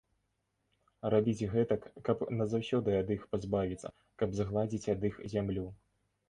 Рабіць гэтак, каб назаўсёды ад іх пазбавіцца, каб згладзіць ад іх зямлю.